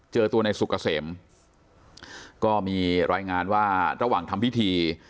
เจอตัวในสุกเกษมก็มีรายงานว่าระหว่างทำพิธี